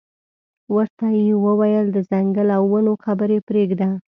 ورته یې وویل د ځنګل او ونو خبرې پرېږده.